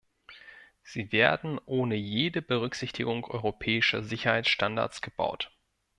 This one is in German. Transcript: Sie werden ohne jede Berücksichtigung europäischer Sicherheitsstandards gebaut.